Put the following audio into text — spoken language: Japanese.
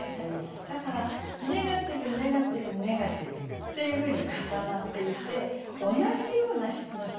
だからネガティブネガティブネガティブっていうふうに重なっていて同じような質の表現がポンポンポンと重なってるんです。